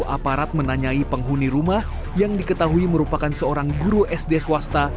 aparat menanyai penghuni rumah yang diketahui merupakan seorang guru sd swasta